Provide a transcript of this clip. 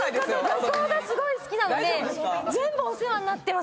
旅行がすごい好きなので全部お世話になってます。